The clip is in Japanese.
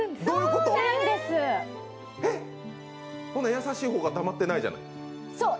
優しい方が黙ってないじゃない？